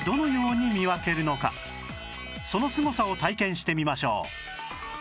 そのすごさを体験してみましょう